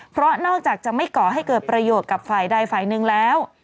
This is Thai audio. เพราะนอกจากจะไม่ก่อให้เกิดประโยชน์กับฝ่ายใดฝ่ายหนึ่งแล้ว